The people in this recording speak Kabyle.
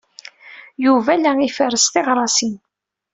Yuba la iferres tiɣrasin.